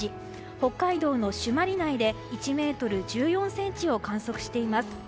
北海道の朱鞠内で１ｍ１４ｃｍを観測しています。